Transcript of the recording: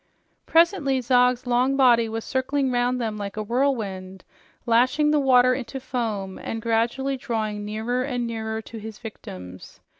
Presently Zog's long body was circling around them like a whirlwind, lashing the water into foam and gradually drawing nearer and nearer to his victims.